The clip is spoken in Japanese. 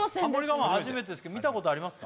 我慢は初めてですけど見たことありますか？